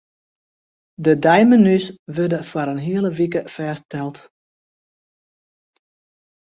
De deimenu's wurde foar in hiele wike fêststeld.